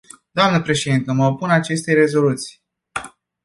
Dnă președintă, mă opun acestei rezoluții.